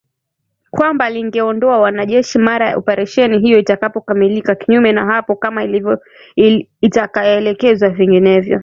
Kwamba lingeondoa wanajeshi mara operesheni hiyo itakapokamilika, kinyume na hapo kama itaelekezwa vinginevyo